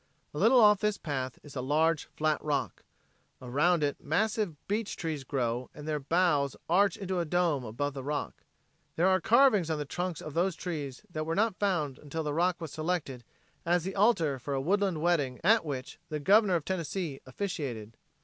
A little off this path is a large flat rock. Around it massive beech trees grow and their boughs arch into a dome above the rock. There are carvings on the trunks of those trees that were not found until the rock was selected as the altar for a woodland wedding at which the Governor of Tennessee officiated.